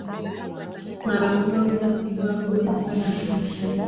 mara mmoja iwapo walikuwa na nia nzuri